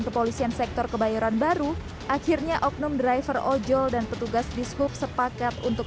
kepolisian sektor kebayoran baru akhirnya oknum driver ojol dan petugas dishub sepakat untuk